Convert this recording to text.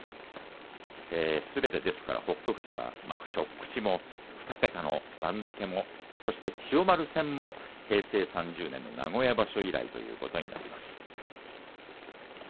すべて北勝富士は初口も、２桁の番付も千代丸戦も平成３０年の名古屋場所以来ということになります。